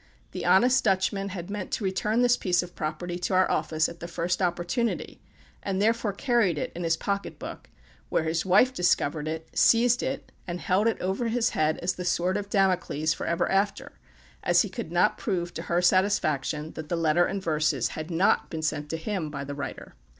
The honest Dutchman had meant to return this piece of property to our office at the first opportunity, and therefore carried it in his pocket book, where his wife discovered it, seized it, and held it over his head, as the sword of Damocles, forever after as he could not prove to her satisfaction that the letter and verses had not been sent to him by the writer.